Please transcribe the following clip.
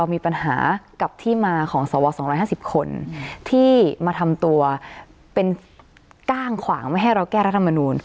มีปัญหากับที่มาของสว๒๕๐คนที่มาทำตัวเป็นก้างขวางไม่ให้เราแก้รัฐมนูล